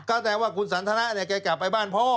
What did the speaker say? ก็แสดงว่าคุณสันทนาเนี่ยแกกลับไปบ้านพ่อ